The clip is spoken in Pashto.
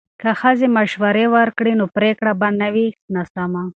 که ښځې مشورې ورکړي نو پریکړه به نه وي ناسمه.